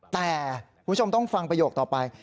แต่คุณผู้ชมต้องฟังประโยคต่อไป